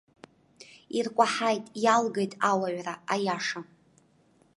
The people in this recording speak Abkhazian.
Иркәаҳаит, иалгеит ауаҩра, аиаша.